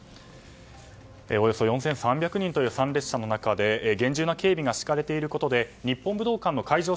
およそ４３００人という参列者の中で厳重な警備が敷かれていることで日本武道館の会場